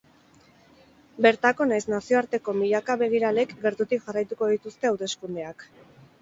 Bertako nahiz nazioarteko milaka begiralek gertutik jarraituko dituzte hauteskundeak.